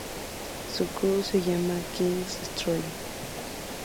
Su "crew" se llama el "kings Destroy".